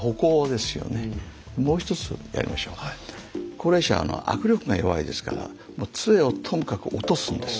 高齢者は握力が弱いですからつえをとにかく落とすんです。